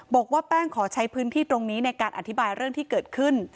บอกว่าแป้งขอใช้พื้นที่ตรงนี้ในการอธิบายเรื่องที่เกิดขึ้น